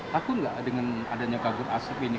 takut nggak dengan adanya kabut asap ini